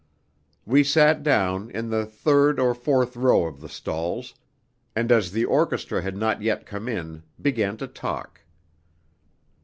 We sat down, in the third or fourth row of the stalls, and, as the orchestra had not yet come in, began to talk.